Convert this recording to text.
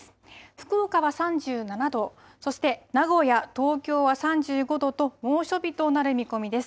福岡は３７度、そして名古屋、東京は３５度と、猛暑日となる見込みです。